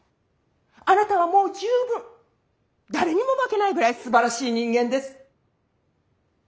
あなたはもう十分誰にも負けないぐらいすばらしい人間です。